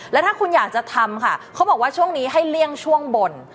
แล้วถ้าคุณอยากจะทำค่ะเขาบอกว่าช่วงนี้ให้เลี่ยงช่วงบน